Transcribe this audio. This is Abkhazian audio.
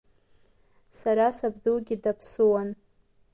Сара сабдугьы даԥсуан.